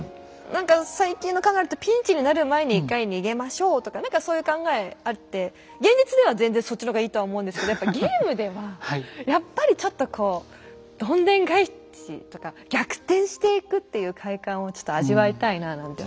何か最近の考えだと「ピンチになる前に一回逃げましょう」とか何かそういう考えあって現実では全然そっちの方がいいとは思うんですけどやっぱゲームではやっぱりちょっとこうどんでん返しとか逆転していくっていう快感をちょっと味わいたいななんて。